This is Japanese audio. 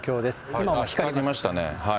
今も光りましたね。